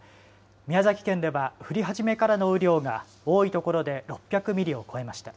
宮崎県では降り始めからの雨量が多いところで６００ミリを超えました。